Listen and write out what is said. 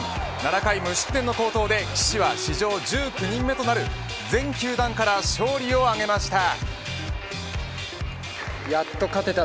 ７回無失点の好投で岸は史上１９人目となる全球団から勝利を挙げました。